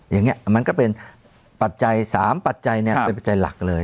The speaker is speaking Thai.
อย่างนี้มันก็เป็นปัจจัย๓ปัจจัยเนี่ยเป็นปัจจัยหลักเลย